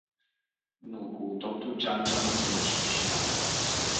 Но около доктор Джан-Джана царуваше тишина.